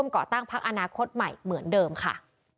ก่อตั้งพักอนาคตใหม่เหมือนเดิมค่ะ